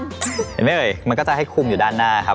เห็นไหมเอ่ยมันก็จะให้คุมอยู่ด้านหน้าครับ